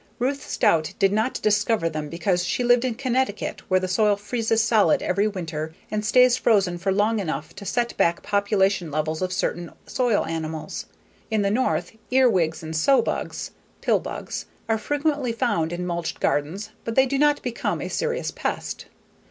Ruth Stout did not discover them because she lived in Connecticut where the soil freezes solid every winter and stays frozen for long enough to set back population levels of certain soil animals. In the North, earwigs and sow bugs (pill bugs) are frequently found in mulched gardens but they do not become a serious pest.